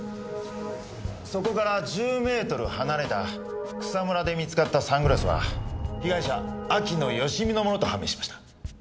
そこから１０メートル離れた草むらで見つかったサングラスは被害者秋野芳美のものと判明しました。